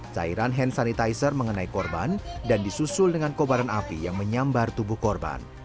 cairan hand sanitizer mengenai korban dan disusul dengan kobaran api yang menyambar tubuh korban